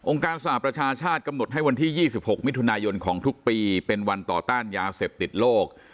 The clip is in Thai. การสหประชาชาติกำหนดให้วันที่๒๖มิถุนายนของทุกปีเป็นวันต่อต้านยาเสพติดโลก